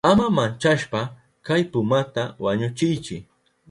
Ama manchashpa kay pumata wañuchiychi.